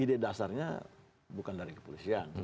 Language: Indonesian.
ide dasarnya bukan dari kepolisian